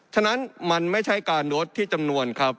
ฉะนั้นมันไม่ใช่การลดที่จำนวนครับ